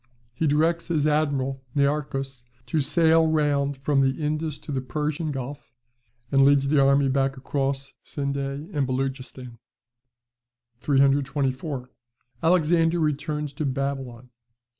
He directs his admiral, Nearchus, to sail round from the Indus to the Persian Gulf; and leads the army back across Scinde and Beloochistan. 324. Alexander returns to Babylon.